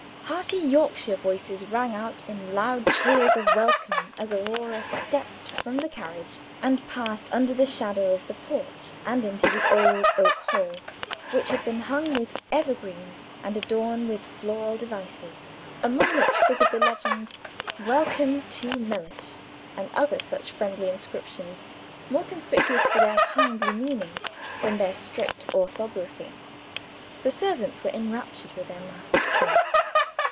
Hearty Yorkshire voices rang out in loud cheers of welcome as Aurora stepped from the carriage, and passed under the shadow of the porch and into the old oak hall, which had been hung with evergreens and adorned with floral devices, among which figured the legend, "WELLCOME TO MELLISH!" and other such friendly inscriptions, more conspicuous for their kindly meaning than their strict orthography. The servants were enraptured with their master's choice.